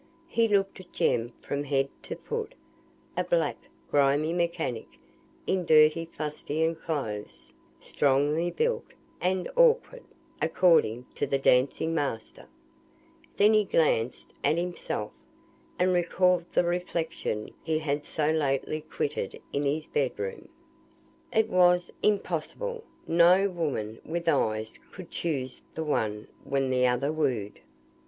He looked at Jem from head to foot, a black, grimy mechanic, in dirty fustian clothes, strongly built, and awkward (according to the dancing master); then he glanced at himself, and recalled the reflection he had so lately quitted in his bed room. It was impossible. No woman with eyes could choose the one when the other wooed.